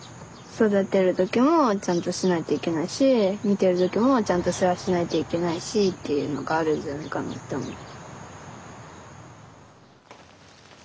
育てる時もちゃんとしないといけないし見てる時もちゃんと世話しないといけないしっていうのがあるんじゃないかなって思う。